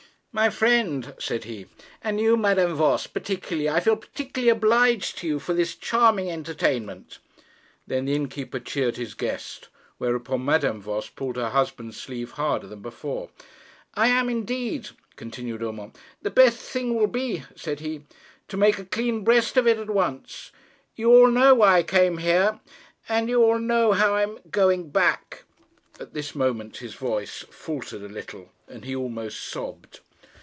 'My friend,' said he, 'and you, Madame Voss particularly, I feel particularly obliged to you for this charming entertainment.' Then the innkeeper cheered his guest, whereupon Madame Voss pulled her husband's sleeve harder than before. 'I am, indeed,' continued Urmand. 'The best thing will be,' said he, 'to make a clean breast of it at once. You all know why I came here, and you all know how I'm going back.' At this moment his voice faltered a little, and he almost sobbed.